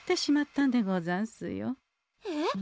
えっ？